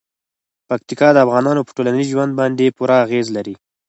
پکتیکا د افغانانو په ټولنیز ژوند باندې پوره اغېز لري.